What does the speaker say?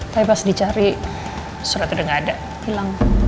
tapi pas dicari suratnya udah gak ada hilang